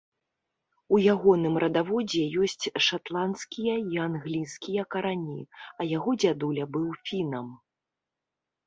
У ягоным радаводзе ёсць шатландскія і англійскія карані, а яго дзядуля быў фінам.